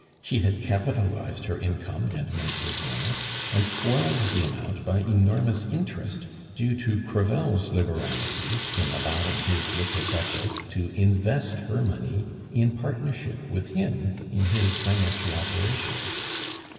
She had capitalized her income and monthly bonus, and swelled the amount by enormous interest, due to Crevel's liberality in allowing his "little Duchess" to invest her money in partnership with him in his financial operations.